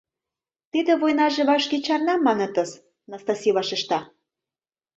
— Тиде войнаже вашке чарна, манытыс, — Настаси вашешта.